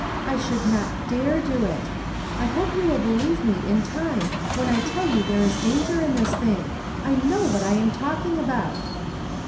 I should not dare do it. I hope you will believe me in time when I tell you tliere is danger in this thing ; I know what I am talking about."